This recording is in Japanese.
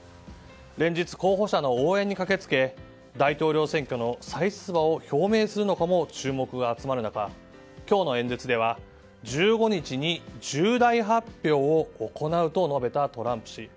連日、候補者の応援に駆け付け大統領選挙の再出馬を表明するかにも注目が集まる中今日の演説では１５日に重大発表を行うと述べたトランプ氏。